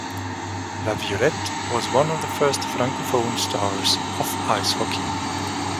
Laviolette was one of the first francophone stars of ice hockey.